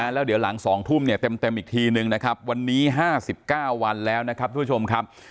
แล้วเดี๋ยวหลัง๒ทุ่มเนี่ยเต็มอีกทีนึงนะครับวันนี้๕๙วันแล้วนะครับทุกผู้ชมครับ